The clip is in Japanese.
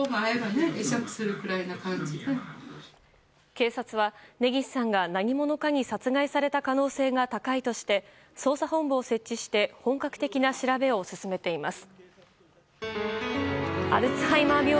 警察は根岸さんが何者かに殺害された可能性が高いとして捜査本部を設置して本格的な調べを進めています。